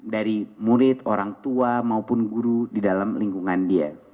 dari murid orang tua maupun guru di dalam lingkungan dia